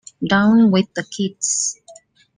Down with the kids